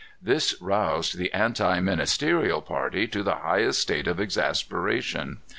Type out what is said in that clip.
This roused the anti ministerial party to the highest state of exasperation.